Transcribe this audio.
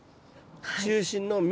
中心の実。